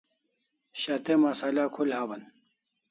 shat'e masala khul hawan